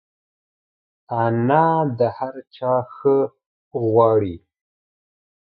انا د هر چا ښه غواړي